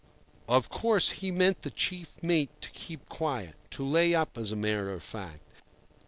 Of course, he meant the chief mate to keep quiet—to lay up, as a matter of fact.